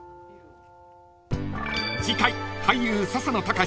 ［次回］